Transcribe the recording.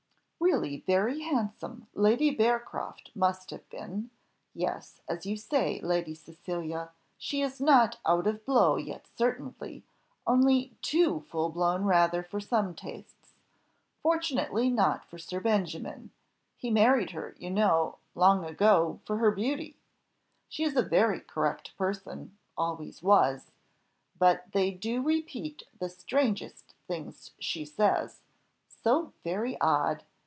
"Really very handsome, Lady Bearcroft must have been! Yes, as you say, Lady Cecilia, she is not out of blow yet certainly, only too full blown rather for some tastes fortunately not for Sir Benjamin; he married her, you know, long ago, for her beauty; she is a very correct person always was; but they do repeat the strangest things she says so very odd!